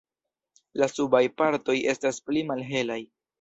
La subaj partoj estas pli malhelaj.